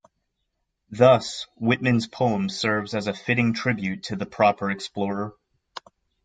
Thus, Whitman's poem serves as a fitting tribute to the proper explorer.